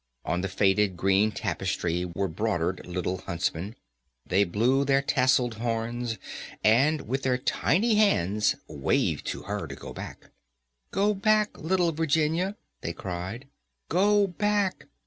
On the faded green tapestry were broidered little huntsmen. They blew their tasselled horns and with their tiny hands waved to her to go back. "Go back! little Virginia," they cried, "go back!"